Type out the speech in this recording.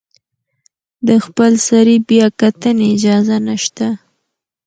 د خپلسرې بیاکتنې اجازه نشته.